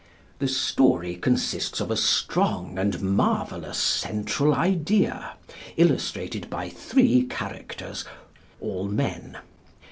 The story consists of a strong and marvellous central idea, illustrated by three characters, all men.